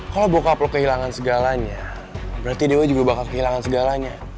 kalau bocah lo kehilangan segalanya berarti dewa juga bakal kehilangan segalanya